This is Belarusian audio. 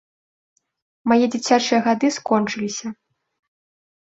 Мае дзіцячыя гады скончыліся.